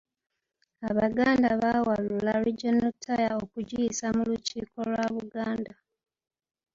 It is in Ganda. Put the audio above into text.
Abaganda baawalula Regional Tier okugiyisa mu Lukiiko lwa Buganda,